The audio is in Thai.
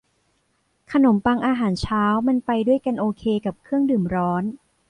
ขนมปังอาหารเช้ามันไปด้วยกันโอเคกับเครื่องดื่มร้อน